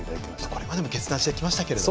これまでも決断してきましたけれども。